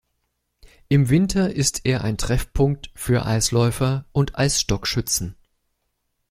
Im Winter ist er ein Treffpunkt für Eisläufer und Eisstock-Schützen.